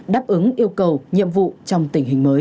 đáp ứng yêu cầu nhiệm vụ trong tình hình mới